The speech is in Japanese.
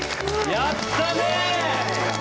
やったね！